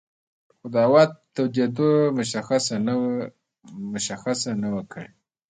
خو د هوا تودېدو مشخصه نه وه کړې